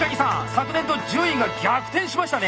昨年と順位が逆転しましたね。